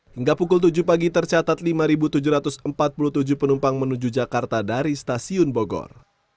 hingga pukul tujuh pagi tercatat lima tujuh ratus empat puluh tujuh penumpang menuju jakarta dari stasiun bogor